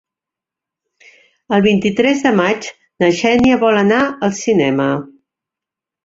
El vint-i-tres de maig na Xènia vol anar al cinema.